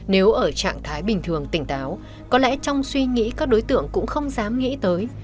nếu ở trạng thái bình thường tỉnh táo có lẽ trong suy nghĩ các đối tượng cũng không dám nghĩ tới